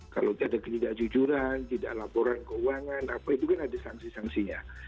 kalau tidak ada ketidakjujuran tidak laporan keuangan apa itu kan ada sanksi sanksinya